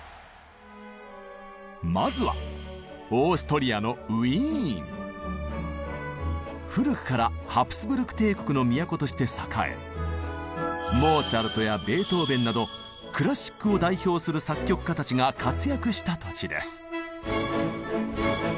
まずは古くからハプスブルク帝国の都として栄えなどクラシックを代表する作曲家たちが活躍した土地です。